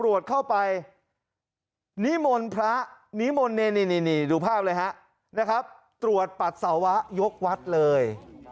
เรื่องก็เป็นอย่างนี้เลย